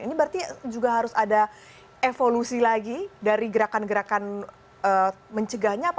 ini berarti juga harus ada evolusi lagi dari gerakan gerakan mencegahnya